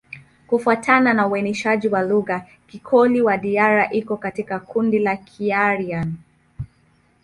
Kufuatana na uainishaji wa lugha, Kikoli-Wadiyara iko katika kundi la Kiaryan.